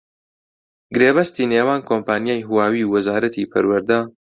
گرێبەستی نێوان کۆمپانیای هواوی و وەزارەتی پەروەردە